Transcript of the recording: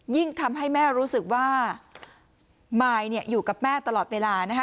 ยิ่งทำให้แม่รู้สึกว่ามายอยู่กับแม่ตลอดเวลานะคะ